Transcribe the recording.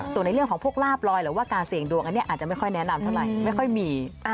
ส่วนในเรื่องของพวกลาบลอยหรือว่าการเสี่ยงดวงอันนี้อาจจะไม่ค่อยแนะนำเท่าไหร่ไม่ค่อยมี